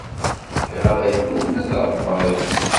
Iɣaḍen-iten ula d aɣebbar-is.